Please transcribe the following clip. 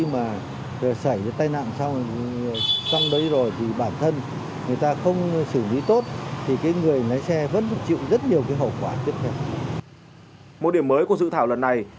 một điểm mới của dự thảo lần này